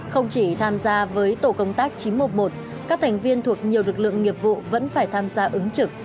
không chỉ tham gia với tổ công tác chín trăm một mươi một các thành viên thuộc nhiều lực lượng nghiệp vụ vẫn phải tham gia ứng trực